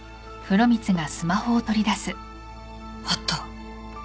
あった。